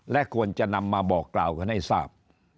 และควรจะนำมาบอกกล่าวกันให้ทราบ